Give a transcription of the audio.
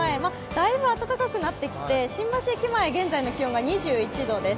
だいぶ暖かくなってきて、新橋駅前、現在の気温が２１度です。